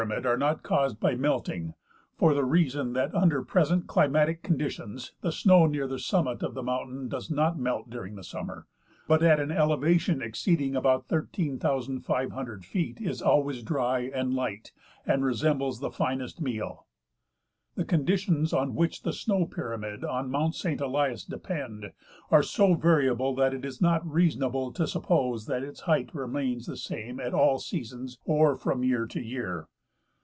mid are not caused by melting, for the reason that under present climatic conditions the snow near the summit of the mountain does not melt during summer, but at an elevation exceeding about 18,500 feet is always dry and light and resembles the finest meal. The conditions on which the snow pyramid on mount Saint Elias depend are so variable that it is not reasonable to suppose that its height remains the same at all seasons or from year to year.